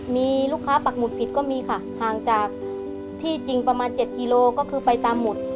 มีลูกค้าปักหุดผิดก็มีค่ะห่างจากที่จริงประมาณ๗กิโลก็คือไปตามหมุด